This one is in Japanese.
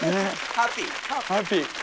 ハッピー！